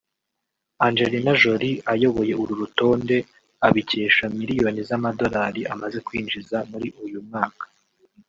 Angelina Jolie ayoboye uru rutonde abikesha miliyoni z’amadolari amaze kwinjiza muri uyu mwaka